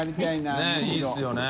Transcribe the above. ねぇいいですよね。